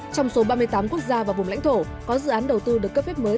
trong số ba mươi tám quốc gia và vùng lãnh thổ có dự án đầu tư được cấp phép mới